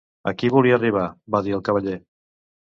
"Aquí volia arribar", va dir el cavaller.